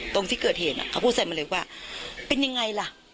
ตรงที่เกิดเหตุเขาพูดใส่มาเลยว่าเป็นยังไงล่ะ